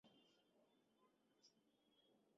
ইহাই সূক্ষ্মানুভূতি লাভ করিবার উপায়।